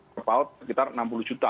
kepaut sekitar enam puluh juta